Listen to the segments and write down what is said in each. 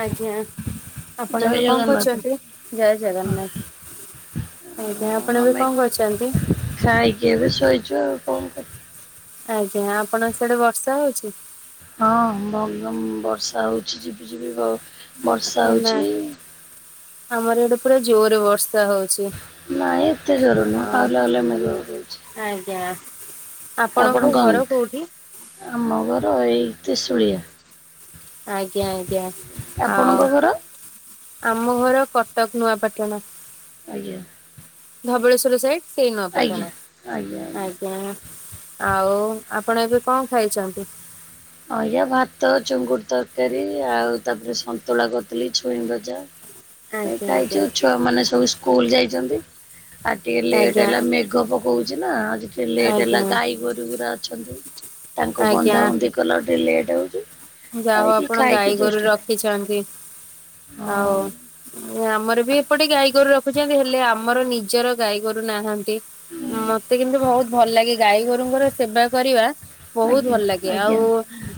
ଆଜ୍ଞା ଆପଣ ଜୟ ଏବେ କଣ ଜଗନ୍ନାଥ। କରୁଛନ୍ତି ଜୟ ଜଗନ୍ନାଥ। ଆଜ୍ଞା ହଁ ଆପଣ ଏବେ ଆମେ କଣ କରୁଛନ୍ତି। ଖାଇକି ଏବେ ଶୋଇଚୁ ଆଉ କଣ କରି ଆଜ୍ଞା ଆପଣ ସେଆଡେ ବର୍ଷା ହଉଛି। ହଁ ବ ବ ବର୍ଷା ହଉଛି ଯିବି ଯିବି ବ ବର୍ଷା ହେ ନା ହଉଛି। ଆମର ଏଇଠି ପୁରା ଜୋର ବର୍ଷା ହଉଛି। ନାଇଁ ଏତେ ଜୋରେ ଅ ନୁହ ହଉଲେ ହଉଲେ ମେଘ ପକଉଚି। ଆଜ୍ଞା। ଆପଣଙ୍କୁ କଣ ଘର କୋଉଠି। ଆମ ଘର ଏଇ ତିସୁଳିଆ। ଆଜ୍ଞା ଆଜ୍ଞା ଆପଣଙ୍କ ଆଉ ଘର? ଆମ ଘର କଟକ ନୂଆପାଟଣା। ଆଜ୍ଞା। ଧବଳେଶ୍ଵର ସାଇଡ ସେଇ ଆଜ୍ଞା ନୂଆପାଟଣା ଆଜ୍ଞା ଆଜ୍ଞା। ଆଉ ଆପଣ ଏବେ କଣ ଖାଇଛନ୍ତି। ଆଉ ଯେ ଭାତ ଚୁଙ୍ଗୁଡି ତରକାରୀ ଆଉ ତାପରେ ସନ୍ତୁଳା କରିଥିଲ ଛୁଇଁ ଭଜା। ଏଇ ଆଜ୍ଞା ଆଜ୍ଞା ଖାଇଛୁ ଛୁଆ ମାନେ ସବୁ ସ୍କୁଲ ଯାଇଛନ୍ତି। ଆଜି ଟିକେ ଲେଟ୍ ଆଜ୍ଞା ହେଲା ମେଘ ପକାଉଚି ନା, ଆଜି ଟିକେ ଲେଟ୍ ଆଜ୍ଞା ହେଲା ଗାଈ ଗୋରୁ ଗୁରା ଅଛନ୍ତି। ତାଙ୍କୁ ବନ୍ଧା ବନ୍ଧି କଲା କୁ ଟିକେ ଲେଟ୍ ହଉଚି। ଯା ହଉ ଆପଣ ଗାଈ ଗୋରୁ ର ଖିଛନ୍ତି ଆଉ ହଁ ଆମର ବି ଏପଟେ ଗାଈଗୋରୁ ରଖୁଛନ୍ତି ହେ ଲେ ଆମର ନିଜର ଗାଈ ଗୋରୁ ନାହାନ୍ତି, ମତେ କିନ୍ତୁ ବହୁତ୍ ଭଲ୍ ଲାଗେ ଗାଈ ଗୋରୁଙ୍କର ସେବା କରିବା ବହୁତ ଆଜ୍ଞା ଭଲ୍ ଲାଗେ, ଆଜ୍ଞା ଆଉ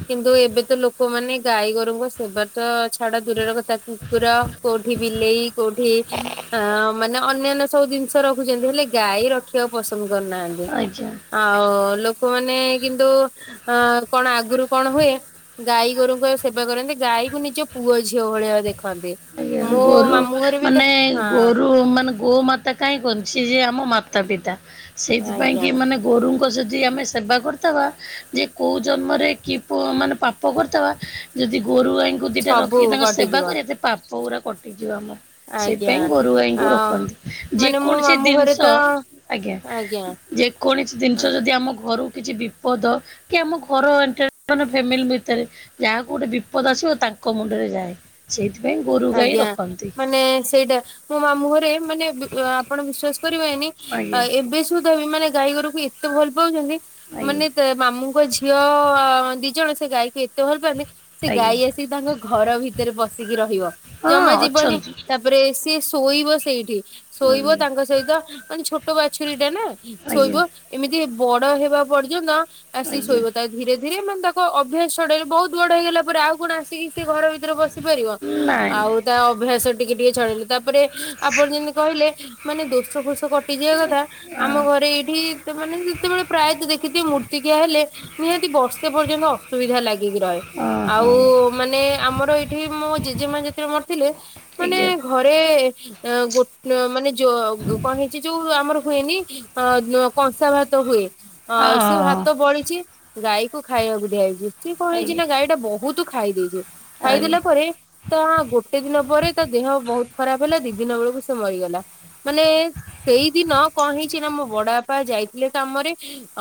କିନ୍ତୁ ଏବେ ତ ଲୋକମାନେ ଗାଈ ଗୋରୁଙ୍କ ସେବା ତ ଛାଡା ଦୂରର କଥା କୁକୁର କୋଉଠି ବିଲେଇ କୋଉଠି ଅ ମାନେ ଅନ୍ୟାନ୍ୟ ସବୁ ଜିନି ଷ ରଖୁଚନ୍ତି, ହେଲେ ଗାଈ ରଖିବାକୁ ପସନ୍ଦ କରୁନାହାନ୍ତି। ଆଜ୍ଞା। ଆଉ ଲୋକମାନେ କିନ୍ତୁ ଅ କଣ ଆଗରୁ କଣ ହୁଏ ଗାଈ ଗୋରୁଙ୍କ ସେବା କରନ୍ତି, ଗାଈକୁ ନିଜ ପୁଅ ଝିଅ ଭଳିଆ ଦେଖନ୍ତି। ଆଜ୍ଞା ମୋ ଗୋରୁ ମାମୁଁ ଘରେ ବି ତ ମାନେ ହଁ ଗୋରୁ ମାନେ ଗୋମାତା କାଇଁ କୁହନ୍ତି, ସେ ଯେ ଆମ ମାତା ପିତା ସେଇଥିପାଇଁ ଆଜ୍ଞା କିି ମାନେ ଗୋରୁଙ୍କ ଯଦି ଆମେ ସେବା କରୁଥବା ଯେ କୋଉ ଜନ୍ମରେ କି ପ ମାନେ ପାପ କରିଥବା ଯଦି ଗୋରୁ ଗଈଙ୍କୁ ଦିଟା ସବୁ ରଖିକି ତାଙ୍କ ସେବା କଟିଯିବ କରିବା, ସେ ପାପ ଗୁରା କଟିଯିବ ଆମର। ସେଇ ଆଜ୍ଞା। ପାଇଁ ଗୋରୁ ଆ ଗାଈଙ୍କୁ ରଖନ୍ତି, ଯେ ମାନେ ମୋ କୌଣସି ମାମୁଁ ଘରେ ଦିନ୍ଷ ତ ଆଜ୍ଞା ଆଜ୍ଞା। ଯେକୌଣସି ଜିନିଷ ଯଦି ଆମ ଘରୁ କିଛି ବି ପଦ କି ଆମ ଘରେ ଏଣ୍ଟାୟାର ମାନେ ଫ୍ୟାମିଲି ଭିତେରେ ଯାହାକୁ ଗୋଟେ ବିପଦ ଆସିବ ତାଙ୍କ ମୁଣ୍ଡରେ ଯାଏ, ସେଇଥି ଆଜ୍ଞା ମାନେ ସେଇଟା। ମୋ ମାମୁଁ ଘରେ ମାନେ ଆପଣ ବିଶ୍ଵାସ କରିବେନି ଆ ଆଜ୍ଞା ଏବେ ସୁଧା ବି ମାନେ ଗାଈ ଗୋରୁ କୁ ଏତେ ଭଲ ପାଉଚନ୍ତି ଆଜ୍ଞା ମାନେ ମାମୁଁଙ୍କ ଝିଅ ଦି ଜଣ ସେ ଗାଈକୁ ଏତେ ଭଲ୍ ପାଆନ୍ତି ସେ ଆଜ୍ଞା ଗାଈ ଆସିକି ତାଙ୍କ ଘର ଭିତରେ ପସିକି ରହିବ ହଁ ଜମା ଯିବନି। ଅଛନ୍ତି। ତାପରେ ସିଏ ଶୋଇବ ସେଇଠି, ଶୋଇବ ହୁଁ ତାଙ୍କ ସହିତ ମାନେ ଛୋଟ ବାଛୁରୀ ଟା ନା। ଆଜ୍ଞା ଶୋଇବ ଏମିତି ବଡ ହେବା ପର୍ଯ୍ୟନ୍ତ ଆସି ଆଜ୍ଞା ଶୋଇବ, ତା ଧୀରେ ଧୀରେ ମାନେ ତାକୁ ଅଭ୍ୟାସ୍ ଛଡେଇଲେ, ବହୁତ୍ ବଡ ହେଇଗଲା ପରେ ଆଉ କଣ ଆସିକି ସେ ଘର ଭିତରେ ବସି ପାରିବ। ନାଇଁ ଆଉ ତା ଅଭ୍ୟାସ ଟିକେ ଟିକେ ଛଡେଇଲୁ ତାପରେ ଆପଣ ଯେମିତି କହିଲେ ମାନେ ଦୋଷ ଫୋଷ କ ଟି ଜିବା କଥା ଆମ ନାଇଁ ଘରେ ଏଇଠି ମାନେ ଯେତେବେଳେ ପ୍ରାୟତଃ ଦେଖିଥିବେ ମୂର୍ତ୍ତିକିଆ ହେଲେ ନିହାତି ବର୍ଷେ ପର୍ଯ୍ୟନ୍ତ ଅସୁବିଧା ଲାଗିକି ରହେ। ହଁ ହଁ ଆଉ ହଁ ମାନେ ଆମର ଏଇଠି ମୋ ଜେଜେମା ଯେତେବେଳେ ମରିଥିଲେ ମାନେ ଆଜ୍ଞା ଘରେ ଅ ଗୋଟ ମାନେ ଯୋ କଣ ହେଇଚି ଯୋଉ ଆମର ହୁଏନି ହଁ କଂସା ଭାତ ହୁଏ। ହଁ ସେ ଭାତ ବଳିଛି ଗାଈ କୁ ଖାଇବାକୁ ଦିଆହେଇଚି। ସ କଣ ହେଇଚି ହଁ ନା ଗାଈ ଟା ବହୁତୁ ଖାଇ ଦେଇଚି, ଆଜ୍ଞା ଆଜ୍ଞା ଖାଇଦେଲା ପରେ ତା ଗୋଟେ ଦିନ ପରେ ତା ଦେହ ବହୁତ୍ ଖରାପ୍ ହେଲା, ଦି ଦିନ ବେଳକୁ ସେ ମରିଗଲା। ମାନେ ସେଇଦିନ କଣ ହେଇଚି ନା ମୋ ବଡାପା ଯାଇ ଥିଲେ କାମରେ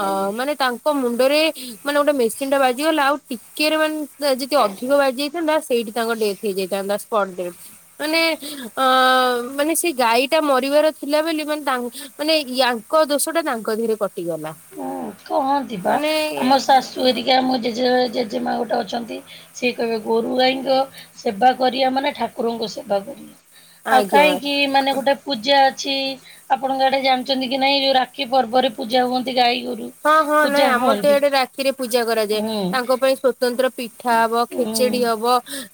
ଆଜ୍ଞା। ମାନେ ତାଙ୍କ ମୁଣ୍ଡରେ ମାନେ ଗୋଟେ ମେସିନ୍ ଟା ବାଜିଗଲା ଆଉ ଟିକେରେ ମାନେ ଯଦି ଅଧିକ ବାଜି ଯାଇଥାନ୍ତା, ସେଇଠି ତାଙ୍କ ଡେଥ ହେଇଯାଇଥାନ୍ତା ସ୍ପଟ୍ ଡେଥ୍। ମାନେ ଅଁ ମାନେ ସେ ଗାଈ ଟା ମରିବାର ଥିଲା ବୋଲି ମାନେ ତାଙ୍କ ମାନେ ୟାଙ୍କ ଦୋଷ ଟା ତାଙ୍କ ଧିଏରେ କଟିଗଲା। ହୁଁ କହନ୍ତି ବା, ମାନେ ଆମ ଶାଶୁ ହେରିକା ମୋ ଜେଜେ ଜେଜେମା ଗୋଟେ ଅଛନ୍ତି ସିଏ କହିବେ ଗୋରୁ ଗାଈଙ୍କ ସେବା କରିଆ ମାନେ ଠାକୁରଙ୍କ ସେବା କରିବା। ଆଉ ଆଜ୍ଞା କାଇଁକି ମାନେ ଗୋଟେ ପୂଜା ଅଛି ଆପଣଙ୍କ ଆଡ଼େ ଜାଣିଚନ୍ତି କି ନାଇଁ ଯୋଉ ରାକ୍ଷୀ ପର୍ବରେ ପୂଜା ହୁଅନ୍ତି ଗାଈ। ଗୋରୁ ହଁ-ହଁ ପୂଜା ନାଇଁ ଆମର ତ ହୁଅନ୍ତି ଇଆଡେ ରାକ୍ଷୀରେ ପୂଜା କରାଯାଏ, ହୁଁ ତାଙ୍କ ପାଇଁ ସ୍ୱ ତନ୍ତ୍ର ପିଠା ହବ, ଉଁ ଖେଚେଡି ହବ,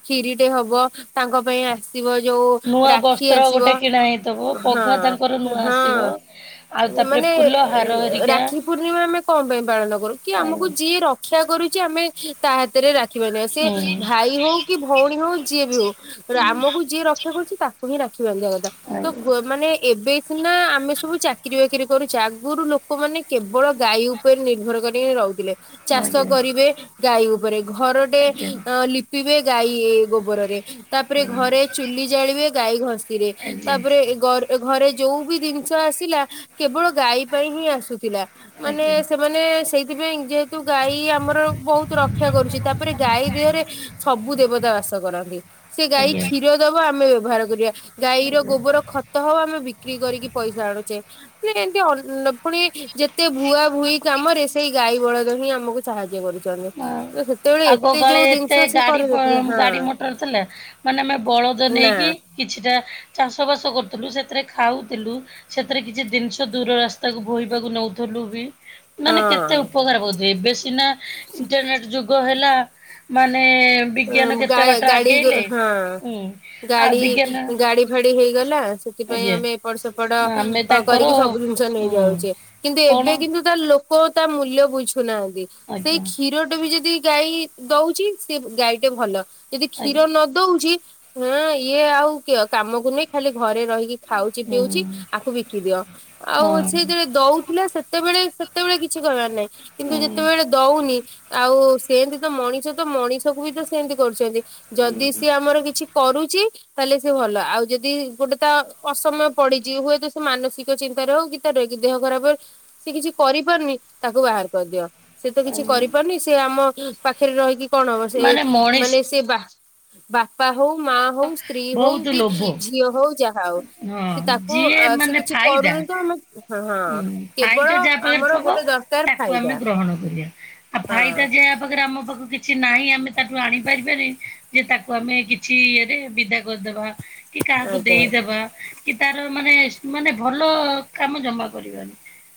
କ୍ଷିରିଟେ ହବ, ତାଙ୍କ ପାଇଁ ଆ ସିବ ଯୋଉ ନୂଆ ରାକ୍ଷୀ ବସ୍ତ୍ର ଆସିବ, ଗୋଟେ କିଣା ହେଇଥିବ ପଘା ତାଙ୍କର ନୂଆ ହଁ-ହଁ। ଆସିବ। ଆଉ ତାପରେ ମାନେ ଫୁଲ ହାର ହେରିକା ରାକ୍ଷୀ ପୂର୍ଣ୍ଣିମା ଆମେ କଣ ପାଇଁ ପାଳନ କରୁ? କି ଆମକୁ ଆଜ୍ଞା ଯିଏ ରକ୍ଷା କରୁଛି ଆମେ ତା ହାତରେ ରାକ୍ଷୀ ବାନ୍ଧିବା ସେ ହୁଁ ଆଜ୍ଞା ଭାଇ ହଉ କି ଭଉଣୀ ହଉ ଯିଏ ବି ହଉ ଆମକୁ ଯିଏ ରକ୍ଷା କରୁଛି ତା ତାକୁ ହିଁ ରାକ୍ଷୀ ବାନ୍ଧିବା କଥା। ତ ମାନେ ଏବେ ସିନା ଆମେ ସବୁ ଚାକିର ବାକିରି କରୁଛେ। ଆଗରୁ ଲୋକମାନେ କେବଳ ଗାଈ ଉପରେ ନିର୍ଭର କରିକି ରହୁଥିଲେ। ଚାଷ ଆଜ୍ଞା କରିବେ ଗାଈ ଉପରେ। ଘରଟେ ଆଜ୍ଞା ଲିପି ଲିପିବେ ଗାଈ ଗୋବରରେ। ତାପରେ ହୁଁ। ଘରେ ଚୁଲି ଜାଳିବେ ଗାଈ ଘଷିରେ। ଆଜ୍ଞା ତାପରେ ଗ ଘରେ ଯୋଉ ବି ଜିନିଷ ଆସିଲା କେବଳ ଗାଈ ପାଇଁ ହିଁ ଆସୁଥିଲା। ମାନେ ଆଜ୍ଞା ସେମାନେ ସେଇଥିପାଇଁ ଯେହେତୁ ଗାଈ ଆମର ବହୁତ ରକ୍ଷା କରୁଛି। ତା ତାପରେ ଗାଈ ଦେହରେ ସବୁ ଦେବତା ବାସ କରନ୍ତି। ସେ ଗାଈ ଆଜ୍ଞା କ୍ଷୀର ଦେବ ଆମେ ବ୍ୟବହାର କରିବା। ଗାଈର ଗୋବର ଖତ ତ ଆମେ ବିକ୍ରି କରିକି ପଇସା ଆଣୁଛେ। ଏମତି ଅ ପୁଣି ଯେତେ ଭୁଆ ଭୁଇ କାମରେ ସେଇ ଗାଈ ବଳଦ ହିଁ ଆମକୁ ସାହାଯ୍ୟ କରିଛନ୍ତି। ଆଉ ତ ସେତେବେଳେ ଆଗ ଏତେ କାଳେ ଯୋଉ ଏତେ ଜିନିଷ ସେ ଗାଡ଼ି ପ କରିଦଉଥିଲା। ହଁ, ଗାଡ଼ି ମଟର ଥିଲା ମାନେ ଆମେ ବଳଦ ନା ନେଇକି କିଛିଟା ଚାଷବାସ କରୁଥିଲୁ। ସେଥିରେ ଖାଉଥିଲୁ। ସେଥିରେ କିଛି ଜିନିଷ ଦୂର ରାସ୍ତାକୁ ବୋହିବାକୁ ନଉଥିଲୁ ବି ମାନେ କେତେ ହଁ। ଉପକାର ପାଉଥିବେ। ଏବେ ସିନା ଇଣ୍ଟରନେଟ୍ ଯୁଗ ହେଲା ମାନେ ବିଜ୍ଞାନ ଗା କେତେ ବାଟ ଗାଡି ଆଗେଇଲେ ହଁ ହୁଁ ଆଉ ଗାଡି ବିଜ୍ଞାନ ଗାଡି ଫାଡି ହେଇଗଲା। ସେଥିପାଇଁ ଆଜ୍ଞା ଆମେ ଏପଟ ସେପଡ ଆମେ ତାଙ୍କର କରିକି ସବୁ ଜିନିଷ ହୁଁ ନେଇଯାଉଛେ, କିନ୍ତୁ କଣ ଏବେ କିନ୍ତୁ ତା ଲୋକ ତା ମୂଲ୍ୟ ବୁଝୁନାହାନ୍ତି। ସେଇ ଆଜ୍ଞା କ୍ଷୀରଟେ ବି ଯଦି ଗାଈ ଦଉଛି ସେ ଗାଈଟେ ଭଲ। ଯଦି କ୍ଷୀର ଆଜ୍ଞା ନ ଦଉଛି ହଁ ଇଏ ଆଉ କାମକୁ ନୁହେଁ ଖାଲି ଘରେ ରହିକି ଖାଉଛି ପିଉଛି ହୁଁ ଆକୁ ବିକି ଦିଅ। ଆଉ ସେ ହଁ ଯେତେବେଳେ ଦଉଥିଲା ସେ ସେତେବେଳେ ସେତେବେଳେ କିଛି କରିବାର ନାହିଁ। କିନ୍ତୁ ଉଁ ଯେତେବେଳେ ଦଉନି ଆଉ ସେମତି ତ ମଣିଷ ତ ମଣିଷ ବି ତ ସେମିତି କରୁଛନ୍ତି। ଯଦି ସିଏ ଆମର କିଛି କରୁଛି ତାହେଲେ ସେ ଭଲ। ଆଉ ଯଦି ଗୋଟେ ତା ଅସମୟ ପଡିଛି ହୁଏତ ସେ ମାନସିକ ଚିନ୍ତାରେ ହଉ କି [unintelligible] ଦେହ ଖରାପ ସେ କିଛି କରିପାରୁନି ତାକୁ ବାହାର କରିଦିଅ। ସେ ତ କିଛି କରିପାରୁନି ସେ ଆମ ପାଖରେ ରହିକି କଣ ହବ। ମାନେ ସେ ମଣିଷ ମାନେ ସେବା ବାପା ହଉ ମା ହଉ ସ୍ତ୍ରୀ ହଉ। ବହୁତ କି ଲୋଭ ଝିଅ ହଉ ଯାହା ଥାଉ ହଁ ସେ ତାକୁ ଯିଏ ସେ ମାନେ କିଛି ଫାଇଦା କରୁନି ତ ଆମେ ହଁ ହଁ ଉଁ ଫାଇଦା କେବଳ ଯାହା ପାଖରେ ଆମର ଥବ ଗୋଟେ ଦରକାର ତାକୁ ଆମେ ଫାଇଦା। ଗ୍ରହଣ କରିବା। ଆଉ ଫାଇଦା ହଁ ଯାହା ପାଖରେ ଆମ ପାଖକୁ କିଛି କିଛି ନାହିଁ ଆମେ ତାକୁ ଆଣିପାରିବାନି ଯେ ତାକୁ ଆମେ କିଛି ଦେଇ ବିଦା କରିଦବା। କି କାହାକୁ ଆଜ୍ଞା ଦେଇଦବା କି ତାର ମାନେ ମାନେ ଭଲ କାମ ଜମା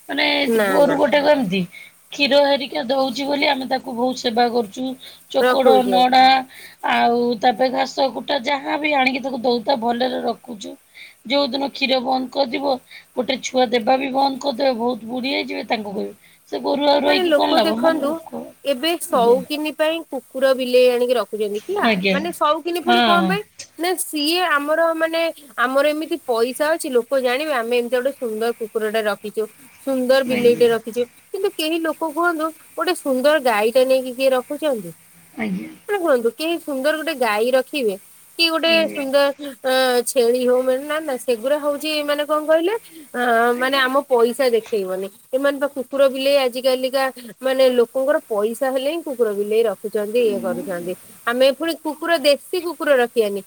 ମାନେ ନା ପୁଅର ନା ଗୋଟେ ଗଲତି କ୍ଷୀର ହେରିକା ଦଉଚି ବୋଲି ଆମେ ତାକୁ ବହୁତ ସେବା କରୁଚୁ ଚୋକଡ, ରଖୁଛି ଆ ନଡା ଆଉ ତା ପାଇଁ ଘାସ, କୁଟା ଯାହା ବି ଆଣିକି ତାକୁ ଦଉ ତା ଭଲରେ ରଖୁଛୁ। ଯୋଉ ଦିନ କ୍ଷୀର ବନ୍ଦ କରିବ ଗୋଟେ ଛୁଆ ଦେବା ବି ବନ୍ଦ କରିଦେବେ ବହୁତ ବୁଢି ହେଇଯିବେ ତାଙ୍କୁ କହିବି ସେ ଗୋରୁ ଆଉ ମାନେ ରହିକି କଣ ଲୋକ ଲାଭ ମାନେ ଦେଖନ୍ତୁ ଲୋକ ଏବେ ଆଜ୍ଞା ସଉକିନି ପାଇଁ କୁକୁର ବିଲେଇ ଆଣିକି ରଖୁଛନ୍ତି କି ଆ ଆଜ୍ଞା ମାନେ ସଉକିନି ହଁ ପୁଣି କଣ ପାଇଁ। ନା ସିଏ ଆମର ମାନେ ଆମର ଏମିତି ପଇସା ଅଛି ଲୋକ ଜାଣିବେ ଆମେ ଏମିତିଆ ଗୋଟେ ସୁନ୍ଦର କୁକୁର ଟା ରଖିଛୁ। ସୁନ୍ଦର ବିଲେଇ ଆଜ୍ଞା ଟେ ରଖିଛୁ। କିନ୍ତୁ କେହି ଲୋକ କୁହନ୍ତୁ ଗୋଟେ ସୁନ୍ଦର ଗାଈଟେ ନେଇକି କିଏ ରଖୁଛନ୍ତି। ଆଜ୍ଞା ଆପଣ କୁହନ୍ତୁ କେହି ସୁନ୍ଦର ଗୋଟେ ଗାଈ ରଖିବେ କି ଗୋଟେ ସୁନ୍ଦର ଅ ଛେଳି ହଉ ମା ନା ନା ସେଗୁଡା ହୋଉଛି ମାନେ କଣ କହିଲେ, ଆ ମାନେ ଆମ ପଇସା ଦେଖେଇବନି। ଏମାନେ ବା କୁକୁର ବିଲେଇ ଆ ଆଜି କାଲିକା ମାନେ ଲୋକଙ୍କର ପଇସା ହେଲେ ହିଁ କୁକୁର ବିଲେଇ ରଖ ଖୁଚନ୍ତି, ଇଏ କରୁଛନ୍ତି। ଆମେ ପୁଣି କୁକୁର ଦେଶୀ କୁକୁର ରଖିବାନି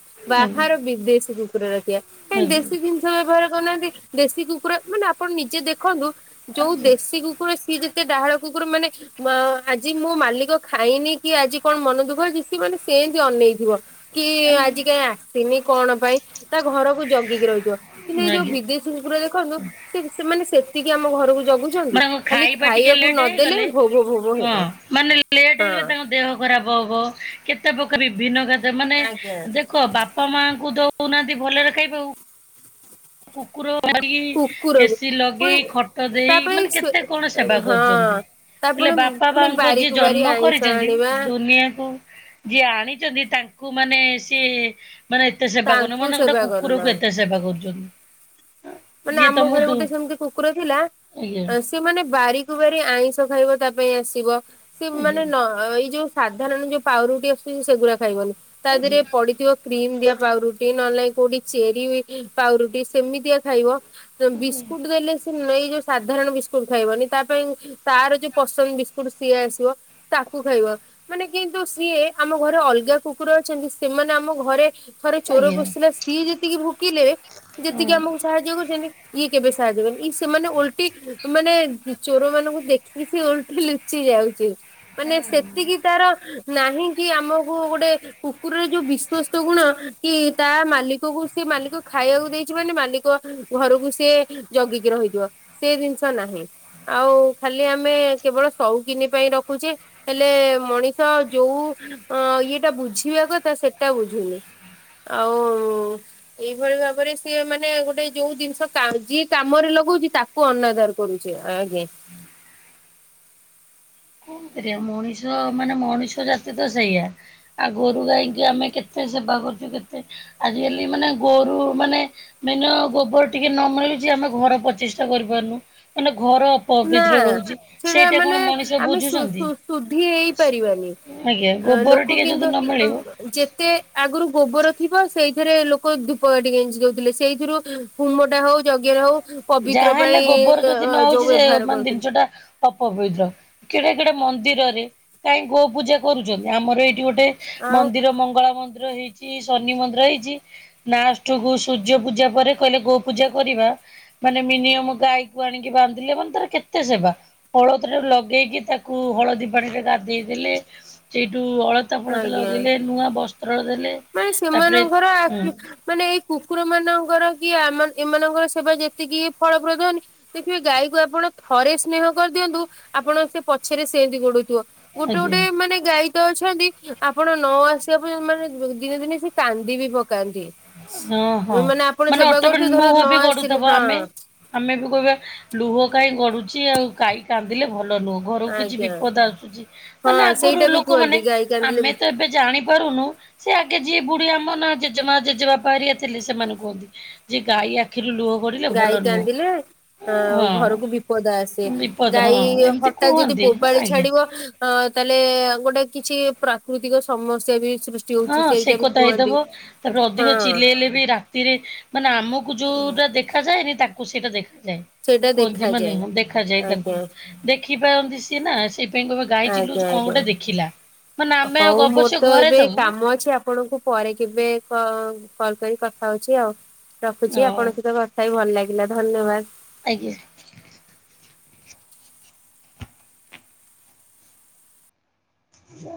ଆଜ୍ଞା ବାହାର ବିଦେଶୀ କୁକୁର ରଖିବା। ଆଜ୍ଞା କାଇଁ ଦେଶୀ ଜି ବ୍ୟବହାର କରୁନାହାନ୍ତି। ଦେଶୀ କୁକୁର, ମାନେ ଆପଣ ନିଜେ ଦେଖନ୍ତୁ, ଯୋଉ ଆଜ୍ଞା ଦେଶୀ କୁକୁର ସିଏ ଯେ ସେ ଡାହାଳ କୁକୁର ମାନେ ମୋ ଆଜି ମୋ ମାଲିକ ଖାଇନି କି, ଆଜି କଣ ମନ ଦୁଃଖ କି, ସେ ମାନେ ସେମତି ଅନେଇଥିବ। କି ଆଜି କାଇଁ ଆସିନି କଣ ପାଇଁ? ତା ଘରକୁ ଜଗିକି ରହିଥିବ। କିନ୍ତୁ ଏଇ ଯୋଉ ଆଜ୍ଞା ବିଦେଶୀ କୁକୁର ଦେଖନ୍ତୁ, ସେ ସେମାନେ ସେତିକି ଆମ ଘରକୁ ଜଗୁ ମାନେ ତାଙ୍କ ଖାଇବା ଟିକେ ଲେଟ୍ ହେଇଗଲେ। ଭୋ ଭୋ ଭୋ ଭୋ ହଁ, ହେବେ ମାନେ ଲେ ଲେଟ୍ ହେଇଗଲେ ହଁ। ତାଙ୍କ ଦେହ ଖରାପ ହବ। କେତେ ପ୍ରକାର ଭିନ୍ନ ଖାଦ୍ୟ ମାନେ ଆଜ୍ଞା। ଦେ ଦେଖ ବାପା ମାଙ୍କୁ ଦଉନାହାନ୍ତି ଭଲରେ ଖାଇବାକୁ କୁକୁର ଆଣି, କୁକୁରକୁ ଏସି ପୁଣି ଲଗେଇ, ଖଟ ଦେଇ ତାପରେ ମାନେ ସ୍ଵେ କେତେ କଣ ସେବା ହଁ। କରୁଚନ୍ତି। ହେଲେ ତାପରେ ବାପା ପୁଣି ମାଙ୍କୁ ଯିଏ ବାରିକୁ ବାରି ଜନ୍ମ ଆଇଁଷ କରିଚନ୍ତି, ଆଣିବା ଦୁନିଆକୁ ଯିଏ ଆଣିଚନ୍ତି ତାଙ୍କୁ ମାନେ ସିଏ ମାନେ ଏତେ ସେବା କରୁନ, ତାଙ୍କୁ ମାନେ ଗୋଟେ ସେବା କୁକୁରକୁ କରୁନାହାନ୍ତି। ଏତେ ସେବା କରୁଚନ୍ତି। ମାନେ ଆମ ଘରେ ଗୋଟେ ସେମିତି କୁକୁର ଥିଲା। ଆଜ୍ଞା ସେ ସେ ମାନେ ବାରିକୁ ବାରି, ଆଇଁଷ ଖାଇବ ତା ପାଇଁ ଆସିବ। ସେ ଆଜ୍ଞା ମାନେ ନ ଏଇ ଯୋଉ ସାଧାରଣ ଯୋଉଁ ପାଉରୁଟି ଆସୁଛି ସେଗୁରା ଖାଇବନି। ତା ଦେହରେ ଆଜ୍ଞା ପଡିଥିବ କ୍ରିମ୍ ଦିଆ ପାଉରୁଟି, ନହଲେ ନାହିଁ କୋଉଠି ଚେରି ଇ ପାଉରୁଟି, ସେମିତିଆ ଖାଇବ। ବିସ୍କୁଟ୍ ଦେଲେ ସେ ଏଇ ଯୋଉ ସାଧାରଣ ବିସ୍କୁଟ୍ ଖାଇବନି ତା ପାଇଁ ତାର ଯୋଉ ପସନ୍ଦ ବିସ୍କୁଟ୍ ସିଏ ଆସିବ, ତାକୁ ଖାଇବ। ମାନେ କିନ୍ତୁ ସିଏ, ଆମ ଘରେ ଅଲଗା କୁକୁର ଅଛନ୍ତି ସେମାନେ ଆମ ଘରେ ଥରେ ଚୋର ଆଜ୍ଞା ପଶିଥିଲେ ସିଏ ଯେତିକି ଭୁକିଲେ, ଆଜ୍ଞା ଯେତିକି ଆମକୁ ସାହାଯ୍ୟ କରିଛନ୍ତି ଇଏ କେବେ ସାହାଯ୍ୟକରିବେନି। ସେମାନେ ଓଲ୍ଟି ମାନେ ଚୋର ମାନଙ୍କୁ ଦେଖିକି ସେ ଓଲ୍ଟି ଲୁଚି ଚି ଯାଉଛି। ମାନେ ହଁ। ସେତିକି ତାର ନାହିଁ କି ଆମକୁ ଗୋଟେ କୁକୁରର ଯୋଉ ବିଶ୍ଵସ୍ତ ଗୁଣ କି ତା ମାଲିକକୁ ସେ ମାଲିକ ଖାଇବାକୁ ଦେଇଛି ମାନେ ମାଲିକ ଘରକୁ ସିଏ ଜଗିକି ରହିଯିବ ସେ ଜିନିଷ ନାହିଁ। ଆଉ ଖାଲି ଆମେ କେବଳ ସଉକିନି ପାଇଁ ରଖୁଛେ ହେଲେ ମଣିଷ ଯୋଉ ଇଏଟା ବୁଝିବା କଥା ସେଟା ବୁଝୁନି। ଆଉ ଏଇଭଳି ଭାବରେ ସିଏ ମାନେ ଗୋଟେ ଯୋଉ ଜିନିଷ କାମ୍, ଯିଏ କାମରେ ଲଗଉଛି ତାକୁ ଅନାଦର କରୁଚ୍ଛେ। ଆଜ୍ଞା। ରେ ମଣିଷ ମାନେ ମଣିଷ ଜାତି ତ ସେଇଆ ଆ ଗୋରୁ ଗାଈକି ଆମେ କେତେ ସେବା କରୁଛୁ, କେତେ ଆଜିକାଲି ମାନେ ଗୋରୁ ମାନେ ବିନା ଗୋବର ଟିକେ ନ ମିଳୁଛି ଆମେ ଘର ପ୍ରଚିଷ୍ଟା କରିପାରୁନୁ। ମାନେ ଘର ନା ପବିତ୍ର ରହୁଛି। ସେଟା ସେଇଟା ମାନେ କଣ ମଣିଷ ବୁ ଆମେ ସୁ ବୁଝୁଛନ୍ତି। ସୁ ଶୁଦ୍ଧି ହେଇପାରିବାନି। ଆଜ୍ଞା, ଗୋବର ଟିକେ ଯଦି ନ ମିଳିବ ତେ ଆଗରୁ ଗୋବର ଥିବ, ସେଇଥିରେ ଲୋକ ଧୂପକାଠି ଗେଞ୍ଜି ଦେଉଥିଲେ। ସେଇଥିରୁ ହୁମଟେ ହୋଉ, ଯଜ୍ଞ ରେ ହେଉ ଯାହା ହେଲେ ଗୋବର ଯଦି ନ ହଉଛି ସେ ବ୍ୟବହାର ମାନେ କରୁଥିଲେ ଜିନିଷଟା ଅପବିତ୍ର। କେଡେ କେଡେ ମନ୍ଦିରରେ କାହିଁ ଗୋ ପୂଜା କରୁଛନ୍ତି। ଆମର ଏଇଠି ଗୋଟେ ଆଉ ମନ୍ଦିର, ମଙ୍ଗଳା ମନ୍ଦିର ହେଇ ଛି, ଶନି ମନ୍ଦିର ହେଇଛି। ନାଷ୍ଟ କୁ ସୂର୍ଯ୍ୟ ପୂଜା ପରେ କହିଲେ ଗୋ ପୂଜା କରିବା ମାନେ ମିନିୟମ୍ ଗାଈକୁ ଆଣିକି ବାନ୍ଧିଲେ, ମାନେ ତାର କେତେ ସେବା? ଅଳତା ଲଗେଇକି ତାକୁ ହଳଦୀ ପାଣିରେ ଗାଧେଇ ଦେଲେ। ସେଇଠୁ ଅଳତ୍ ଅଳତା, ଫଳତା ଆଜ୍ଞା। ଲଗେଇଲେ, ନୂଆ ବସ୍ତ୍ର ଦେଲେ ମାନେ ତାପରେ ସେମାନଙ୍କର ହୁଁ ଆଖି ମାନେ ଏଇ କୁକୁର ମାନଙ୍କର କି ଆମ ଏମାନଙ୍କର ସେବା ଯେତିକି ଫଳପ୍ରଦ ନୁହଁ। ଦେଖିବେ ଗାଈକୁ ଆପଣ ଥରେ ସ୍ନେହ କରିଦିଅନ୍ତୁ। ଆପଣଙ୍କ ପଛରେ ସେମିତି ଗୋଡଉଥିବ। ଗୋଟେ ଗୋଟେ ଆଜ୍ଞା ମାନେ ଗାଈ ତ ଅଛନ୍ତି। ଆପଣ ନ ଆସିବା ପର୍ଯ୍ୟନ୍ତ ମାନେ ଦିନେ ଦିନେ ସେ କାନ୍ଦି ବି ପକାନ୍ତି। ଓହୋ ଆପଣ ମାନେ ସେବା ଅଟକ କରୁଥିବେ ଧର ନୁହ ନ ବି ଆସିଲେ ଗଡୁଥିବ ହଁ ଆମେ ଆମେ ବି କହିବା ଲୁହ କାହିଁ ଗଡୁଛି ଆଉ। ଗାଈ କାନ୍ଦିଲେ ଭଲ ନୁହେଁ। ଘରକୁ କିଛି ଆଜ୍ଞା। ବିପଦ ଆସୁଛି। ହଁ ମାନେ ଆଗରୁ ସେଇଟା ବି ଲୋକମାନେ କୁହନ୍ତି ଗାଈ କାନ୍ଦିଲେ ଆମେ ବି ତ ଏବେ ଜାଣି ପାରୁନୁ ସେ ଆଗେ ଯିଏ ବୁଢୀ ଆମ ନା ଜେଜେମା ଜେଜେ ବାପା ହେରୀକାଥିଲେ ସେମାନେ କୁହନ୍ତି। ଯେ ଗାଈ ଆଖିରୁ ଲୁହ ଗଡିଲେ ଭଲ ଗାଈ ନୁହଁ କାନ୍ଦିଲେ ଆଉ ହଁ। ଘରକୁ ବିପଦ ଆସେ। ବିପଦ ଗାଈ ହଁ ଏମିତି ହଠତ୍ ଯଦି କୁହନ୍ତି ବୋବାଳି ଆଜ୍ଞା। ଛାଡିବ ହଁ ତାହେଲେ ଗୋଟେ କିଛି ପ୍ରାକୃତିକ ସମସ୍ୟା ବି ସୃଷ୍ଟି ହଁ ହଉଛି ସେ ସେଇଟା ବି କଥା ହେଇଥବ। କୁହନ୍ତି। ତାପରେ ଅଧିକ ହଁ ଚିଲେଇଲେ ବି ରାତିରେ ମାନେ ଆମକୁ ମୁଁ ଯୋଉଟା ଦେଖ ଯାଏନି ତାଙ୍କୁ ସେଇଟା। ଦେଖାଯାଏ। ସେଇଟା କୁହନ୍ତି ମାନେ ଦେଖାଯାଏ ଦେଖାଯାଏ ତାକୁ। ଆଜ୍ଞା ଦେଖିପାରନ୍ତି ସିଏ ନା। ସେଇ ପୁଣି କହିବ ଗାଈ ଆଜ୍ଞା ଚିଲାଉଛି କଣ ଆଜ୍ଞା। ଗୋଟେ ଦେଖିଲା। ନା ମାନେ ଆମେ ଅବଶ୍ୟ ଘରେ ଥବୁ ମୁଁ ଅଛି ଆପଣଙ୍କୁ ପରେ କେବେ କଲ କଲ୍ କରି କଥା ହଉଛି ଆଉ। ଅ ରଖୁଛି। ଆପଣଙ୍କ ସହିତ କଥା ହି ଭଲ ଲାଗିଲା ଧନ୍ୟବାଦ। ଆଜ୍ଞା [inaudible] ଆ